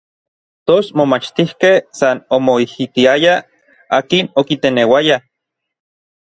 Tos momachtijkej san omoijitayaj, akin okiteneuaya.